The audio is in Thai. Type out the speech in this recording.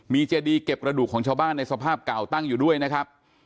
มีเจดีเก็บกระดูกของชาวบ้านในสภาพเก่าตั้งอยู่ด้วยนะครับ